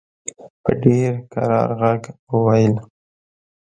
په ډېر کرار ږغ وویل.